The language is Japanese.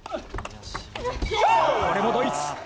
これもドイツ。